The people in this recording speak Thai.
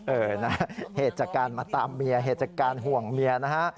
เออนะฮะเหตุจากการมาตามเมียเหตุจากการห่วงเมียนะฮะ